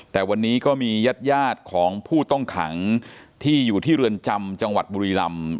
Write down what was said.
แต่วันนี้ก็มีญาติยาดของผู้ต้องขังที่อยู่ที่เรือนจำจังหวัดบุรีรำ